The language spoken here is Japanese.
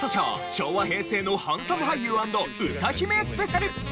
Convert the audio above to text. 昭和・平成のハンサム俳優＆歌姫スペシャル。